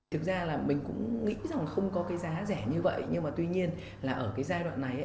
thực ra là mình cũng nghĩ rằng không có cái giá rẻ như vậy nhưng mà tuy nhiên là ở cái giai đoạn này